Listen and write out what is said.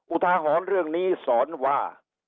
อุทาหรณ์เรื่องนี้สอนว่า